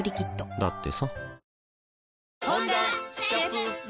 だってさ